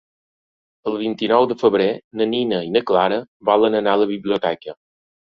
El vint-i-nou de febrer na Nina i na Clara volen anar a la biblioteca.